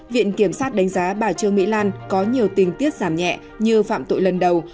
viện kiểm sát đánh giá bà trương mỹ lan có nhiều tình tiết giảm nhẹ như phạm tội lần đầu